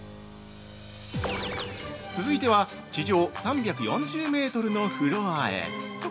続いては、地上３４０メートルのフロアへ。